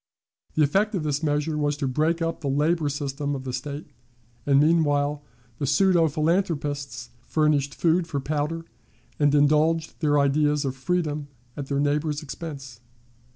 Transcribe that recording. The effect of this measure was to break up the labor system of the State, and meanwhile the pseudo philanthropists furnished food for powder, and indulged their ideas of freedom at their neighbors' expense.